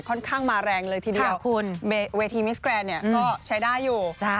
ค่อนข้างมาแรงเลยทีเดียววีทีมิสเกรร์นด์ก็ใช้ได้อยู่ขอบคุณ